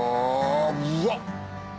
うわっ！